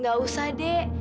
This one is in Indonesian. nggak usah dek